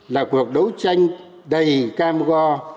là cuộc đấu tranh đầy cam go